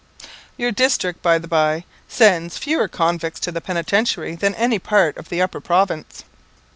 Your district, by the bye, sends fewer convicts to the Penitentiary than any part of the Upper Province."